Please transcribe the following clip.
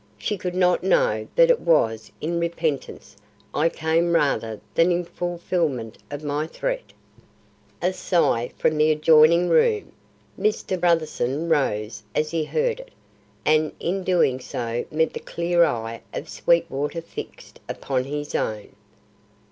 She could not know that it was in repentance I came rather than in fulfilment of my threat." A sigh from the adjoining room. Mr. Brotherson rose, as he heard it, and in doing so met the clear eye of Sweetwater fixed upon his own.